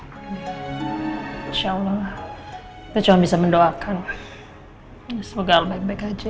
insya allah kita cuma bisa mendoakan semoga baik baik aja